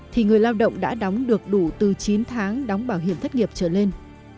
thì người lao động đã đóng được đủ từ chín tháng đóng bảo hiểm thất nghiệp trở lên